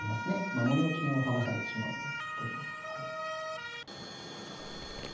守りの金を剥がされてしまうので。